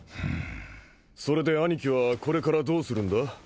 それで兄貴はこれからどうするんだ？